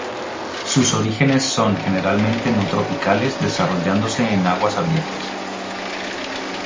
Sus orígenes son generalmente no tropicales desarrollándose en aguas abiertas.